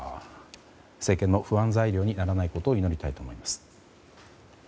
政権の不安材料にならないことを祈りたいと思います。